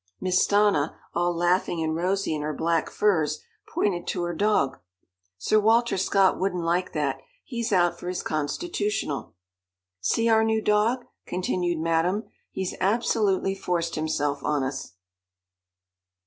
Miss Stanna, all laughing and rosy in her black furs, pointed to her dog. "Sir Walter Scott wouldn't like that. He's out for his constitutional." "See our new dog?" continued Madame. "He's absolutely forced himself on us."